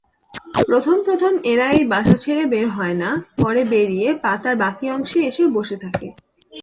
প্রথম প্রথম এরা এই বাসা ছেড়ে বের হয়না, পরে বেড়িয়ে পাতার বাকী অংশে এসে বসে থাকে।